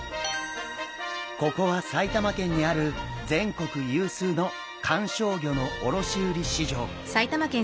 ここは埼玉県にある全国有数の観賞魚の卸売市場。